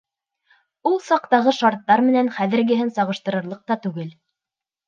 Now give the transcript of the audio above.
Ул саҡтағы шарттар менән хәҙергеһен сағыштырырлыҡ та түгел.